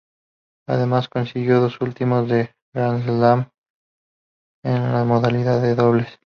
Además consiguió dos títulos de Grand Slam más en la modalidad de dobles.